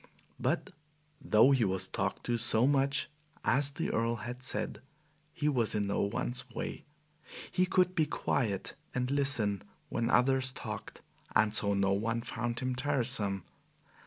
But though he was talked to so much, as the Earl had said, he was in no one's way. He could be quiet and listen when others talked, and so no one found him tiresome.